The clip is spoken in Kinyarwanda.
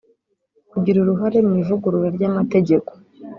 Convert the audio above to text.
kugira uruhare mu ivugurura ry’amategeko